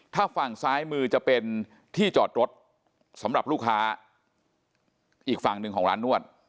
ถ้าฝั่งซ้ายมือจะเป็นที่จอดรถสำหรับลูกค้าอีกฝั่งหนึ่งของร้านนวด